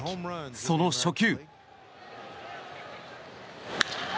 その初球。